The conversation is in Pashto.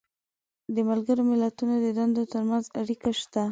د ملګرو ملتونو د دندو تر منځ اړیکه شته.